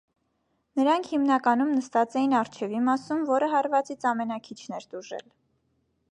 Նրանք հիմնականում նստած էին առջևի մասում, որը հարվածից ամենաքիչն էր տուժել։